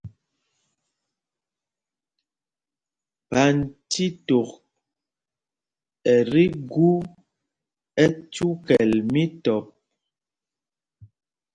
Panjtítok ɛ tí gú ɛcúkɛl mítɔp.